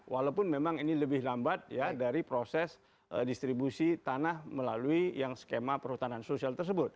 walaupun memang ini lebih lambat ya dari proses distribusi tanah melalui yang skema perhutanan sosial tersebut